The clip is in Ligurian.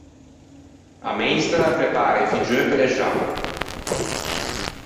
A meistra a prepara i figgeu pe l’examme.